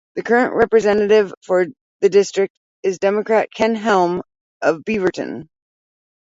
The current representative for the district is Democrat Ken Helm of Beaverton.